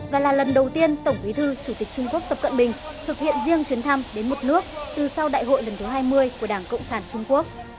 và là lần đầu tiên tổng bí thư chủ tịch trung quốc tập cận bình thực hiện riêng chuyến thăm đến một nước từ sau đại hội lần thứ hai mươi của đảng cộng sản trung quốc